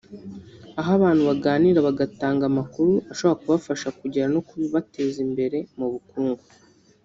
aho abantu baganira bagatanga amakuru ashobora kubafasha kugera no kubibateza imbere mu bukungu